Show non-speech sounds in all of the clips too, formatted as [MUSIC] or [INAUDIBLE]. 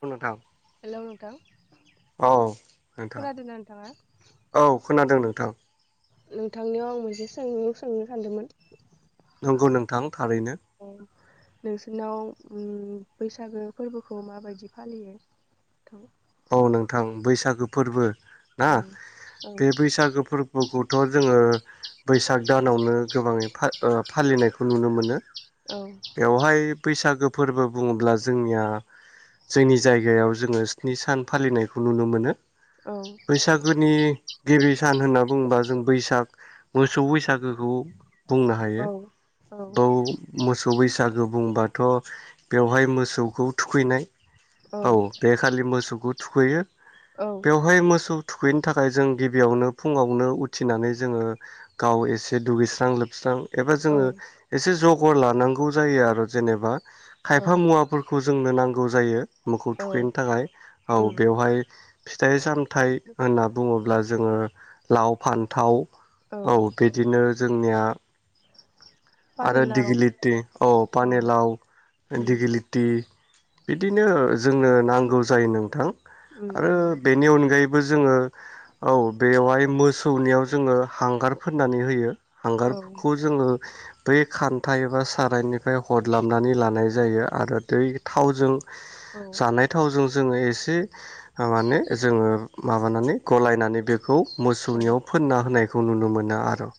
[UNINTELLIGIBLE] नोंथां हेलौ नोंथां औ नोंथां खोनादोंना नोंथाङा औ खोनादों नोंथां। नोंथांनियाव आं मोनसे सोंलु सोंनो सानदोंमोन। नंगौ नोंथां। थारैनो। औ नोंसोरनाव ओ बैसागो फोरबोखौ माबायदि फालियो थां? औ नोंथां बैसागो फोरबो ना उम बे बैसागो फोरबोखौ थ जोङो बैसाग दानावनो गोबाङै फा ओ फालिनायखौ नुनो मोनो। औ बेवहाय बैसागो फोरबो बुङोब्ला जोंनिया जोंनि जायगायाव जोङो नि सान फालिनायखौल नुनो मोनो। औ बैसागोनि गिबि सान होनना बुंबा जों बैसाग मोसौ बैसागोखौ बुंनो हायो औ औ बाव मोस सौ बैसागो बुंबाथ बेवहाय मोसौखौ थुखैनाय औ बे खालि मोसौखौ थुखैयो बेवहाय मोसौ थुखैनो थाखाय जों गिबियावनो फुङावनो उथिनानै जोङो गाव एसे दुगैस्रां लोबस्रां एबा जोङो औ एसे जग खबर लानांगौ जायो आरो जेनेबा औ खायफा मुवाफोरखौ जो जोंनो नांगौ जायो। मोखौ औ थुखैन थाखाय औ उम बेवहाय। फिथाइ सामथाइ होनना बुङोब्ला जोङो लाव फान्थाव। औ बेदिनो जोंनिया आरो पानिलाव दिगिलिटि औ पानि लाव उम दिगिलिटि बिदिनो जोंनो नांगौ जायो नोंथां। उम आरो नंगौ बेनि अनगायै बो जोङो औ बेवहाय मोसौनियाव जोङो हांगार फोननानै होयो। औ हांगारफोरखौ जोङो बै खान्था एबा सारायनिफ्राय हर्लाबनानै लानाय जायो आरो दै थावजों औ जानाय थावजों जोङो एसे से माने जोङो माबानानै गलायनानै बेखौ औ मोसौनियाव फोनना होनाय खौ नुनो मोनो आरो।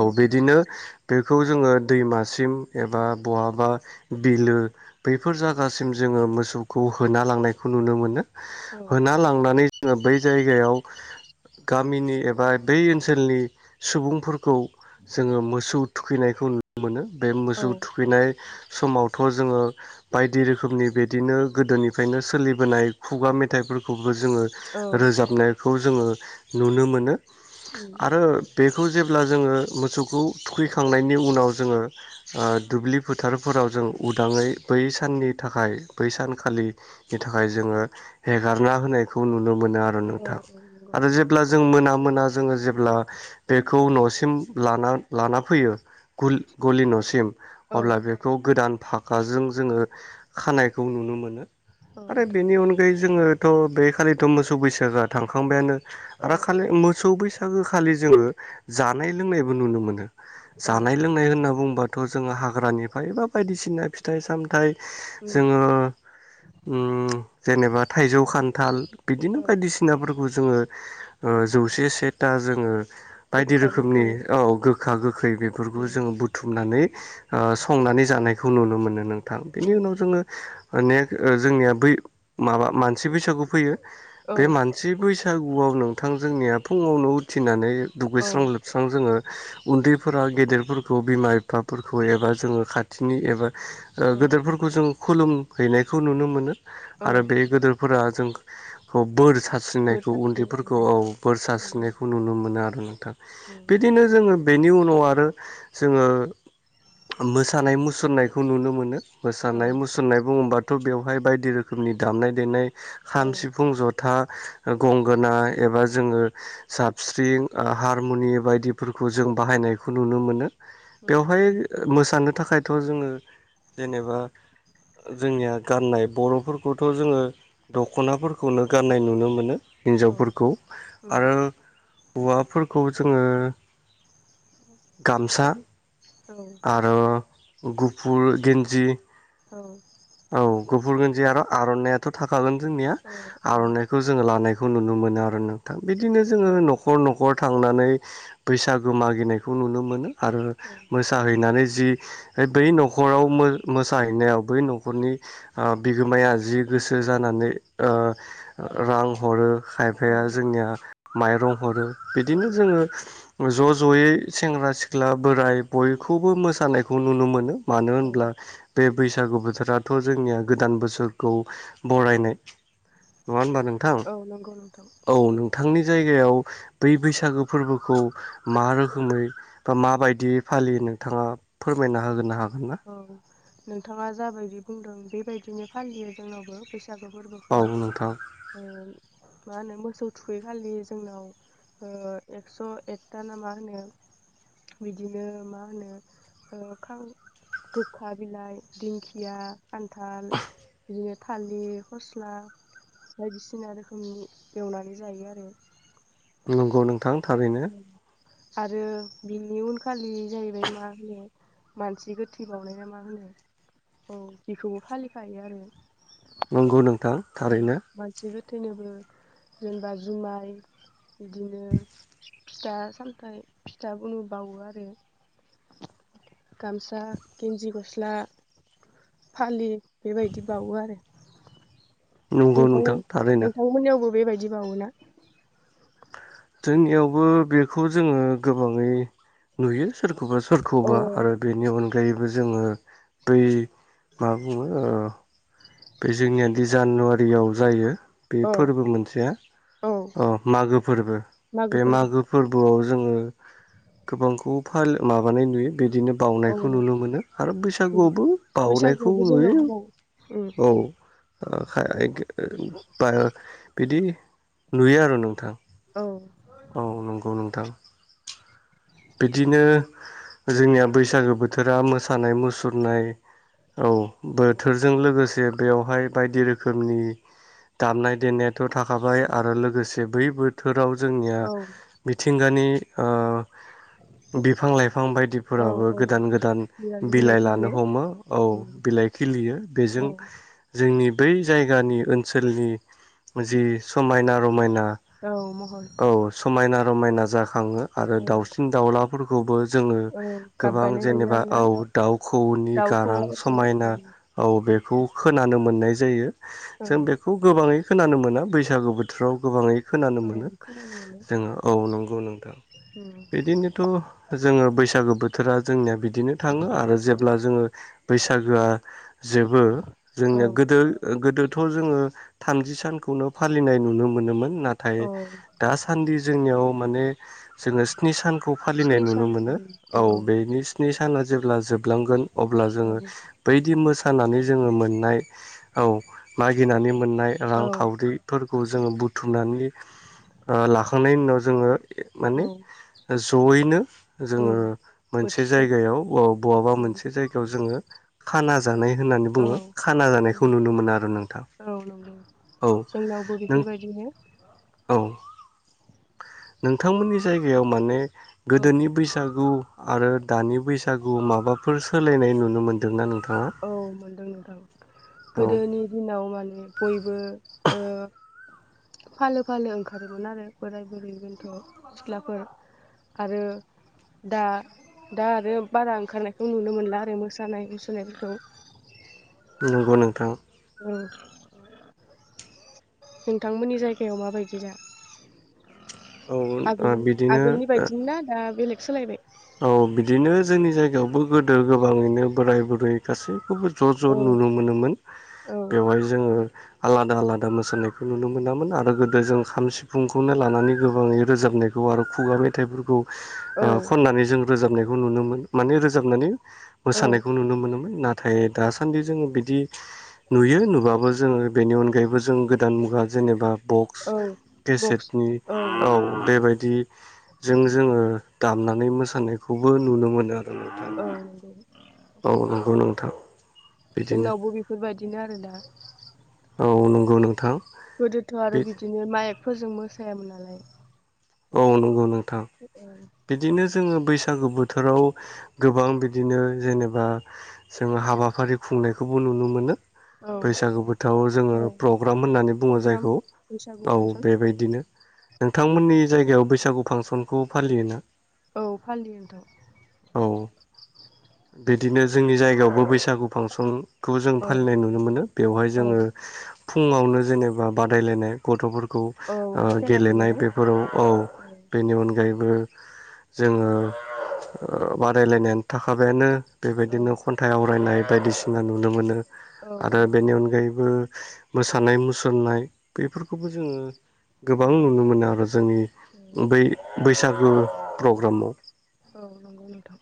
औ बिदिनो बे खौ जोङो दैमासिम एबा बहाबा बिलो बैफोर जागासिम जोङो मोसौखौ होना लांनायखौ नुनो मोनो। औ होना लांनानै जोङो बै जायगायाव गामिनि एबा बै ओनसोलनि सुबुंफोरखौ जोङो मोसौ थुखैनायखौ नुनो मोनो। बे औ मोसौ थुखैनाय। समावथ' जोङो बायदि रोखोमनि बिदिनो गोदोनिफ्रायनो सोलिबोनाय खुगा मेथाइफोरखौ। जोङो औ रोजाबनाय। खौ जोङो नुनो मोनो। उम आरो बेखौ जेब्ला जोङो मोसौखौ थुखैखां खांनायनि उनाव जोङो ओ दुब्लि फोथारफोराव जों उदाङै बै साननि थाखाय बै सानखालिनि थाखाय जोङो हेगारना होनायखौ नुनो मोनो आरो औ नोंथां नंगौ आरो जेब्ला जों मोना मोना जोङो जेब्ला बेखौ न'सिम लाना लाना फैयो गल गलि न'सिम। औ अब्ला बेखौ गोदान। फाकाजों जोङो खानायखौ नुनो मोनो। औ आरो नोंथां बेनि अनगायै जोङो थ' बे खालिथ' मोसौ बैसागोआ थांखांबायानो। औ आरो औ खालि मोसौ बैसागो खालि जोङो जा नाय लोंनायबो नुनो मोनो। औ जानाय लोंनाय होनना बुंबाथ' जोङो हाग्रानिफ्राय एबा बायदिसिना फिथाइ सामथाइ उम जोङो उम जेनेबा थाइजौ खान्थाल बिदिनो औ बायदिसिनाफोरखौ जोङो ओ जौसे सेथा जोङो बायदि गोखा गोखै रोखोमनि औ गो खागो गोखै बेफोरखौ उम जोङो बुथुमनानै ओ संनानै जानायखौ नुनो मोनो। नोंथां औ बिनि उनाव जोङो माने ओ जोंनिया बै माबा मानसि बैसागु फैयो। औ बे मानसि बै बैसागुआव नोंथां जोंनिया फुङावनो उथिनानै औ दुगैस्रां लोबस्रां जोङो उन्दैफोरा गेदेरफोरखौ बिमा बिफाफोरखौ एबा जोङो खाथि नि एबा ओ औ गेदोरफोरखौ जों खुलुम हैनायखौ नुनो मोनो। औ आरो बे गोदोरफोरा जों खौ बोर बोर सारस्रिनायखौ सास्रि उम उन्दैफोरखौ औ बोर नंगौ सारस्रिनायखौ नुनो मोनो। नों नोंथां उम बिदिनो जोङो बेनि उनाव आरो जोङो मोसानाय मुसुरनायखौ नुनो मोनो। मोसानाय औ मुसुरनाय बुङोबा थ' बेवहाय बायदि रोखोमनि दामनाय देनाय खाम सिफुं जथा। गंगोना एबा जोङो साबस्रिं ओ हारमुनि बायदिफोरखौ जों बाहायनायखौ नुनो मोनो। औ नंगौ बेवहाय नोंथां मोसानो थाखायथ' जोङो जेनेबा जोंनिया गाननाय बर'फोरखौथ' जोङो दख'नाफोरखौनो गाननाय नुनो मोनो। औ हिन्जावफोरखौ उम आरो हौवाफोरखौ जोङो गामसा आरो गुफुर गेन्जि औ बुरन्जि आरो आरनाइाथ थाखागोन जोंनिया औ आरो आरनाइखौ जोंङो लानाय खौ नुनो मोनो आरो ना। था बिदिनो जोंङो औ नखर नखर थांनानै बैसागु मागिनायखौ नुनो मोनो आरो औ मोसाहैनानै जि बै नखराव मो मोसाहैनायाव बै नखरनि ओ बिगोमाया जि गोसो जानानै ओ रां हरो औ खायफाया जोंनिया माइरं हरो औ बिदिनो नंगौ जोंङो ज जयै सेंग्रा सिख्ला बोराइ बयखौबो मोसानायखौ नुनो मोनो मानो औ होनब्ला बे बैसागु बोथोराथ जोंनिया गोदान बोसोरखौ बरायनाय नङा होमबा नोंथां नंगौ नोंथां औ नोंथांनि जायगायाव बै बैसागो फोरबोखौ मा रोखोमै बा माबायदि फालियो नोंथाङा फोरमायना होगोन ना हा गोनना औ नोंथाङा जाबायदि बुंदों बेबायदिनो फालियो जोंनावबो बैस बैसागु औ फोरबोखौ नोंथां ओ मा होनो मोसौ थुखैखालि जोंनाव ओ एक्स एकता ना मा होनो बिदिनो मा होनो ओ फां गोखा बिलाइ दिंखिया खान्थाल बिदिनो थालिर फस्ला बायदिसिना रोखोमनि एवनानै जायो आरो नोंगौ नोंथां। थारैनो आरो बिनि उनखालि जाहैबाय मा होनो मानसि गोथै बावउनाय ना मा होनो औ बेखौबो फालिखायो आरो नंगौ नों मनसि गो थैनोबो जेनेबा जुमाइ बिदिनो फिथा सामथाइ फिथा उनु बावो आरो गामसा गेन्जि गस्ला फालि बेबायदि बावो आरो नंगौ नोंथां नोंथां‌मोन थारैनो नोंथांमोननियावबो बेबाय दि बावोना? जोंनियावबो बेखौ जोंङो गोबाङै नुयो सोर खौबा औ सोरखौबा आरो बेनि उन गायैबो जोङो बै मा बुङो ओ बे जोंनिया दि जानुवारियाव जायो। बे औ फोरबो मोनसेया औ अ' मागो फोरबो बे मागो फोरबोआव जोङो गोबांखौ फाल-माबानाय नुयो। बिदिनो औ बाउनायखौ नुनो मोनो आरो बेनो बैसागुआवबो बाउनायखौ बैसागोआवबो जोंनाव नुयो। औ उम [UNINTELLIGIBLE] ओं [UNINTELLIGIBLE] बिदि नुयो आरो नोंथां। औ। औ नंगौ नोंथां। बिदिनो जोंनिया बैसागो बोथोरा मोसानाय मुसुरनाय औ बोथोरजों लोगोसे बेवहाय बायदि रोखोमनि दामनाय देनायाथ' थाखाबाय आरो लोगोसे बै बोथोराव जोंनिया औ मिथिंगानि ओ बिफां-लाइफां औ बायदिफोराबो औ नंगौ गोदान-गोदान बिलाइ लानो खिलियो हमो औ उम बिलाइ खिलियो बेजों औ जोंनि बै जायगानि ओनसोलनि जि समायना-रमायना औ महर औ समायना रमायना जा खाङो आरो औ दाउ हलाफोरखौबो जोङो औ गाब गोबां बानाय नुयो जेनेबा आरोना औ दाउ खौऔनि दाउ गारां खौवौफोरखौ समायना उम औ बे खौ खोनानो मोननाय जायो। औ जों बेखौ गोबाङै खोनानो मोना बैसागु बोथोराव गोबाङै खोनानो औ मोनो खोनानो मोनो जोङो औ नंगौ नोंथां। उम खिनथु जोङो बैसागो बोथोरा जोंनिया बिदिनो थाङो आरो जेब्ला जोङो बैसागोआ जोबो औ जोंनिया गोदो ओ-गोदो थ' जोङो थामजि सानखौनो फालिनाय नुनो मोनोमोन। नाथाय औ दासान्दि जोंनियाव माने जोङो स्नि सान खौ फालिनाय स्नि नुनो सान मोनो उम औ नंगौ बेनि स्नि साना जेब्ला जोब लांगोन अब्ला औ जोङो बैदि मोस सानानै जोङो मोननाय औ मागिनानै मोननाय रां औ खावरि फोरखौ जोङो बुथुमनानै लाखांनायनि उनाव जोङो औ माने जयैनो उम जोङो मोनसे बोथिसे जायगायाव बहाबा उम मोनसे जायगायाव जोङो खाना जानाय होननानै औ बुङो खाना जानायखौ उम नुनो मोनो आरो नोंथां औ नंगौ औ जोंनावबो नों बेफोरबायदिनो औ नोंथांमोननि जायगायाव माने औ गोदोनि बैसागु आरो दानि बैसागु माबाफोर सोलायनाय नुनो मोन्दोंना नों औ मोनदों नोंथां औ गोदोनि दिनाव माने बयबो ओ फालो फालो ओंखारोमोन आरो बोराय बुरै बेन्थ' सिख्लाफोर आरो दा दा आरो बारा ओंखारनायखौ नुनो मोनला आरो मोसानाय मुसुरनायफोरखौ। नंगौ नोंथां औ नोंथांमोननि जायगायाव माबायदि दा औ आगोल बिदिनो आगोलनि बायदि ना दा बेलेग सोलायबाय औ बिदिनो जोंनि जायगायावबो गोदो गोबाङैनो बोराय बुरै गासैखौबो ज' ज' औ नुनो मोनोमोन औ बेवहाय जोङो आलादा आलादा मोसानायखौ नुनो मोनामोन आरो गोदो जों खाम, सिफुंखौनो लानानै गोबाङै रोजाबनायखौ आरो खुगा मेथाइफोरखौ औ माने जों रोजाबनायखौ नुनो मोन माने रोजाबनानै औ मोसानायखौ नुनो मोनोमोन ना थाय दासान्दि जोङो बिदि नुयो नुबाबो जोङो बेनि अनगायैबो जों गोदान मुगा जेनेबा बक्स औ केसेटनि औ बेबाय दि जों जोङो दामना नै मोसानायखौबो नुनो मोनो। नोंथां औ नंगौ थ' जोंनावबो बेफोरबायदिनो आरोना औ नंगौ नोंथां गोदोथ' आरो बे बिदिनो माइक फोरजों मोसायामोन नालाय औ नंगौ नों थां औ बिदिनो जोङो बैस सागो बोथोराव गोबां बिदिनो जेनेबा जों हाबाफारि खुंनायखौबो नुनो मोनो। औ बैसागु बोथाव जोङो औ प्रग्राम होननानै बुङो प्रग्राम जायखौ बैसागु औ फांसन बेबायदिनो नोंथांमोननि जायगायाव बैसागु फांसनखौ फालियोना? औ फानलियोथ'। औ बिदिनो जोंनि जायगायावबो बैसागु फांसन खौ जों औ फालिनाय नुनो मोनो बेवहाय औ जोङो फुङावनो जेनेबा बादायलायनाय गथ'फोर खौ औ ओ खेला गेलेनाय बेफोराव औ बेनि उन अनगायैबो जोङो बादायलायनाय थाखाबायानो औ बेबायदिनो खन्थाइ आवरायनाय बायदिसिना नुनो मोनो। औ आरो औ बेनि अनगायै ओ मोसानाय मुसुरनाय बेफोरखौबो जोङो गोबां नुनो मोनो आरो जोंनि बै बै बैसागु प्रग्रामाव औ नंगौ नोंथां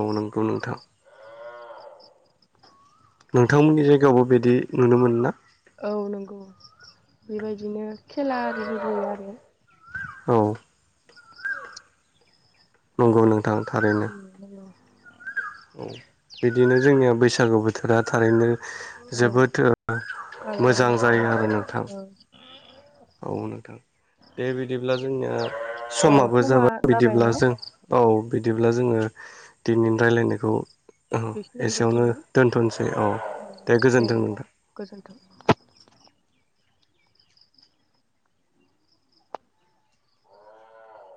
औ नंगौ नोंथां। नोंथांमोननि जायगायावबो बिदि नुनो मोनो ना? औ नंगौ बेबायदिनो खेला आरि होग्रोयो आरो। औ नंगौ नों थां थारैनो नंगौ औ बिदिनो जोंनिया बैसागु बोथोरा थारैनो औ जोबोद गाजा मोजां जायो आरो नोंथां। गोमजायै औ औ नोंथां दे बिदिब्ला जोंनिया अ समाबो समा जाबाय बिदिब्ला न जों औ बिदिब्ला जोङो दिनैनि रायलायनायखौ बेखिनियावनो एसेयावनो दोनथ'बाय दोनथ'नसै औ दे गोजोन्थों नोंथां।